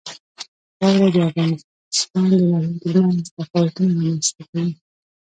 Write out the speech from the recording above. واوره د افغانستان د ناحیو ترمنځ تفاوتونه رامنځته کوي.